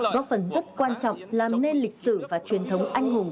góp phần rất quan trọng làm nên lịch sử và truyền thống anh hùng